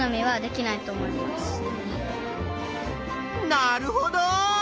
なるほど！